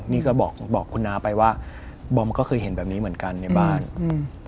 นี่ก็บอกบอกคุณน้าไปว่าบอมก็เคยเห็นแบบนี้เหมือนกันในบ้านอืม